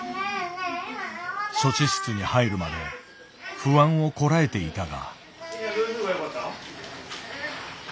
処置室に入るまで不安をこらえていたが。